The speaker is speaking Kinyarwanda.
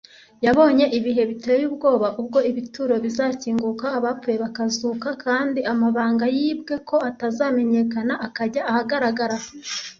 yabonye ibihe biteye ubwoba ubwo ibituro bizakinguka, abapfuye bakazuka, kandi amabanga yibwiye ko atazamenyekana akajya ahagaragara